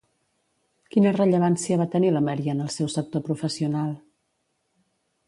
Quina rellevància va tenir la Maria en el seu sector professional?